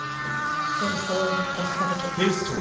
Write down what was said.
分相応な暮らしが出来れば。